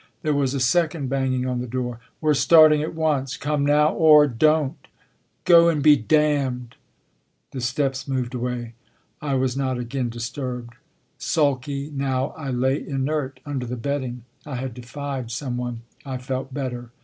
There was a second banging on the door. " We re starting at once. Come now or don t!" " Go and be damned !" The steps moved away. I was not again disturbed. Sulky, now, I lay inert under the bedding. I had defied some one I felt better.